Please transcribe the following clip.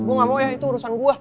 gue gak mau ya itu urusan gue